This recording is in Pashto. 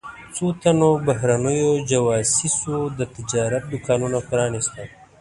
څو تنو بهرنیو جواسیسو د تجارت دوکانونه پرانیستل.